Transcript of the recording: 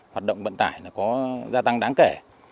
hoạt động vận tải có gia tăng đáng kể